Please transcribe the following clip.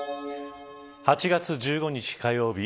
８月１５日火曜日